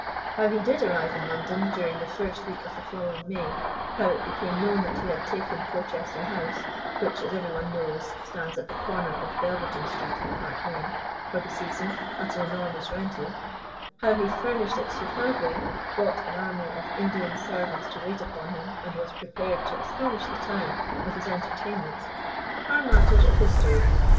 How he did arrive in London during the first week of the following May; how it became known that he had taken Porchester House, which, as every one knows, stands at the corner of Belverton Street and Park Lane, for the season, at an enormous rental; how he furnished it superbly, brought an army of Indian servants to wait upon him, and was prepared to astonish the town with his entertainments, are matters of history.